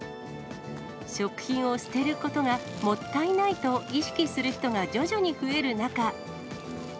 食品を捨てることがもったいないと意識する人が徐々に増える中。